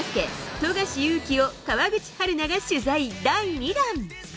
富樫勇樹を川口春奈が取材、第２弾。